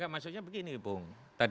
maksudnya begini bung